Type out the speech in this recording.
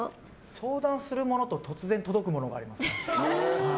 相談するものと突然届くものがあります。